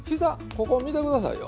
ここ見てくださいよ。